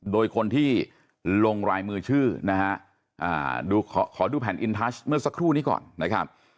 โดยคนที่ลงรายมือชื่อนะฮะขอดูแผ่นอินทัชเมื่อสักครู่นี้ก่อนนะครับ